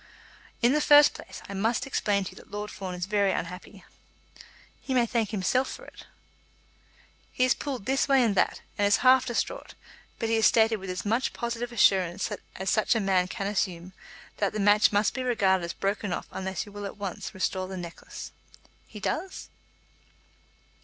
"In the first place, I must explain to you that Lord Fawn is very unhappy." "He may thank himself for it." "He is pulled this way and that, and is half distraught; but he has stated with as much positive assurance as such a man can assume, that the match must be regarded as broken off unless you will at once restore the necklace." "He does?"